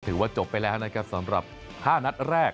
ถือว่าจบไปแล้วนะครับสำหรับ๕นัดแรก